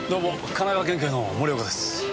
神奈川県警の森岡です。